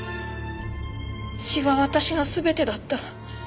詩は私の全てだった。